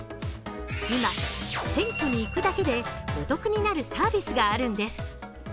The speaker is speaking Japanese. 今、選挙に行くだけでお得になるサービスがあるんです。